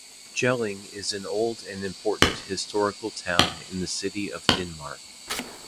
Jelling is an old and important historical town in the history of Denmark.